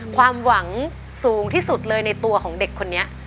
ความหวังสูงที่สุดเลยในตัวของเด็กคนนี้